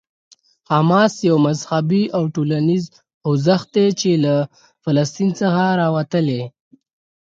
حماس یو مذهبي او ټولنیز خوځښت دی چې له فلسطین څخه راوتلی.